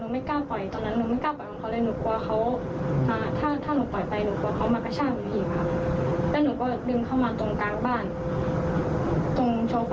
พี่เขาบอกว่าประตูไม่ได้ล็อคหนูก็เลยตัดสินใจรีบไปปลูกประตู